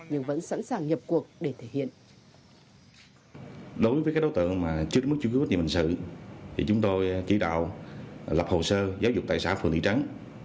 nhưng vẫn sẵn sàng nhập cuộc để thể hiện